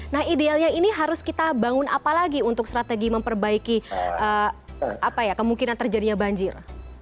nah idealnya ini harus kita bangun apa lagi untuk strategi memperbaiki kemungkinan terjadinya banjir